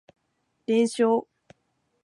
連勝